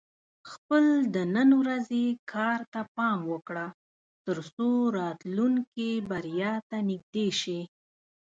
خپل د نن ورځې کار ته پام وکړه، ترڅو راتلونکې بریا ته نږدې شې.